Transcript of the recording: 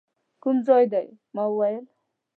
کوم ځای دی؟ ما وویل.